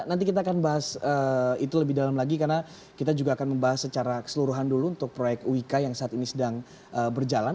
nanti kita akan bahas itu lebih dalam lagi karena kita juga akan membahas secara keseluruhan dulu untuk proyek wika yang saat ini sedang berjalan